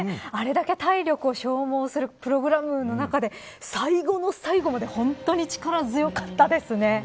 あれだけ体力を消耗するプログラムの中で最後の最後まで本当に力強かったですね。